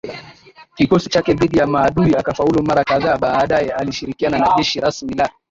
kikosi chake dhidi ya maadui akafaulu mara kadhaaBaadaye alishirikiana na jeshi rasmi la